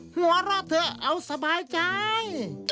หัวเราะเถอะเอาสบายใจ